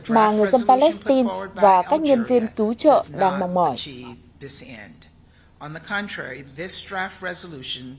mà người dân palestine và các nhân viên cứu trợ đang mong mỏi